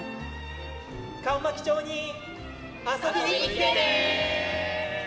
上牧町に遊びに来てね！